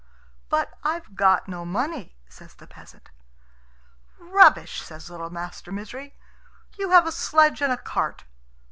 "But I've got no money," says the peasant. "Rubbish!" says little Master Misery; "you have a sledge and a cart."